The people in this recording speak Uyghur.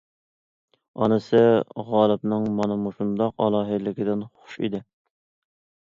ئانىسى غالىبنىڭ مانا مۇشۇنداق ئالاھىدىلىكىدىن خۇش ئىدى.